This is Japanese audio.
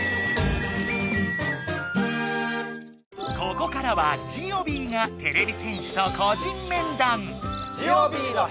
ここからはジオビーがてれび戦士と個人面談。